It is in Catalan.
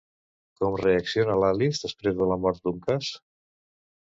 Com reacciona Alice després de la mort d'Uncas?